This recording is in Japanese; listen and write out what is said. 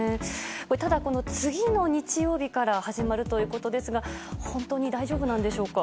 ただ、次の日曜日から始まるということですが本当に大丈夫なんでしょうか。